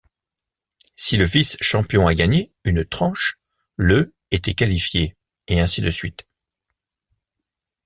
Si le vice-champion a gagné une tranche, le était qualifié, et ainsi de suite.